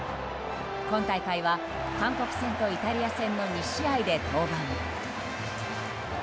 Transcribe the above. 今大会は韓国戦とイタリア戦の２試合で登板。